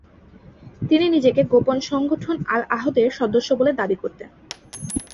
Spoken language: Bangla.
তিনি নিজেকে গোপন সংগঠন আল-আহদের সদস্য বলে দাবি করতেন।